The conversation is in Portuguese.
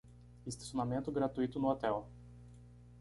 Estacionamento gratuito no hotel